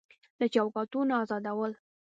له چوکاټونو ازادول